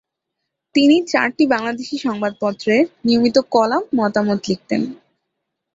তিনি চারটি বাংলাদেশী সংবাদপত্রের নিয়মিত কলাম, মতামত লিখতেন।